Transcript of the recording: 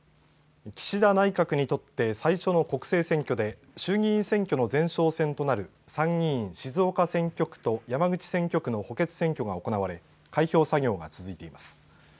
岸田内閣にとって最初の国政選挙で衆議院選挙の前哨戦となる参議院静岡選挙区と山口選挙区の補欠選挙が行われ開票作業が続いています。